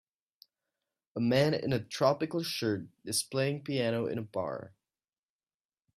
A man in a tropical shirt is playing piano in a bar.